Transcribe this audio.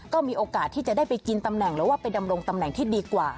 ก็มีโอกาสที่จะได้ไปกินตำแหน่งหรือว่าไปดำรงตำแหน่งที่ดีกว่า